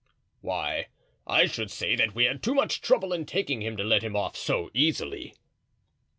"Why, I should say that we had too much trouble in taking him to let him off so easily."